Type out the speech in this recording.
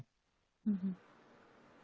itu untuk memiliki suara tuhan